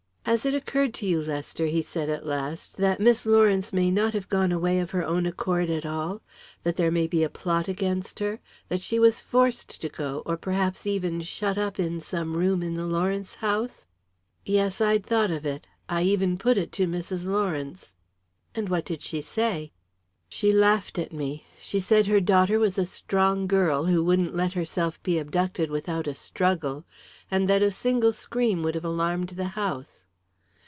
"Has it occurred to you, Lester," he said, at last, "that Miss Lawrence may not have gone away of her own accord at all; that there may be a plot against her; that she was forced to go, or perhaps even shut up in some room in the Lawrence house?" "Yes; I'd thought of it. I even put it to Mrs. Lawrence." "And what did she say?" "She laughed at me. She said her daughter was a strong girl, who wouldn't let herself be abducted without a struggle, and that a single scream would have alarmed the house."